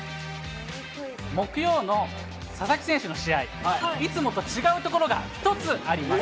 木曜の佐々木選手の試合、いつもと違うところが１つあります。